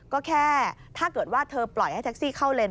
ก็แค่ถ้าเกิดว่าเธอปล่อยให้แท็กซี่เข้าเลน